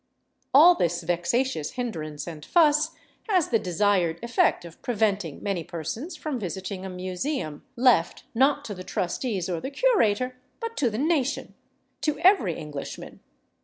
All this vexatious hindrance and fuss has the desired effect of preventing many persons from visiting a museum left, not to the trustees or the curator, but to the nation to every Englishman.